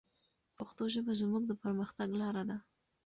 پښتو ژبه زموږ د پرمختګ لاره ده.